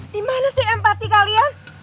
dimana sih empati kalian